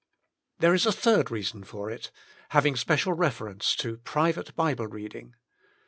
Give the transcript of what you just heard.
There is a third reason for it, having special reference to private Bible reading.